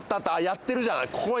やってるじゃない。